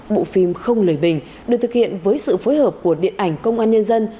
bộ phim không lời bình được thực hiện với sự phối hợp của điện ảnh công an nhân dân